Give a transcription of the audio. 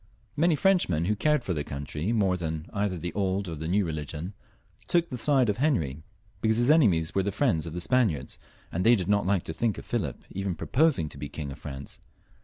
Many Frenchmen, who cared for their country more than for either the old or the new religion, took the side of Henry, because his enemies were the friends of the 298 HENRY IV, [CH. Spaniards, and they did not like to think of Philip even proposing to be King of France.